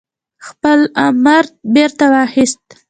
خپل امر بيرته واخيست